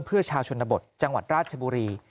เพื่อชาวชนบทจังหวัดราชบุรี